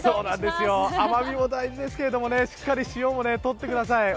甘味も大事ですけど、しっかり塩も取ってください。